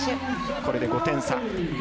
これで５点差。